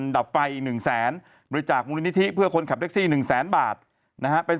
ด้วยจากมุณธิที่เพื่อคนขับแท็กซี่หนึ่งแสนบาทนะฮะเป็น